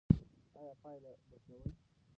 ایا پایله به ښه وي؟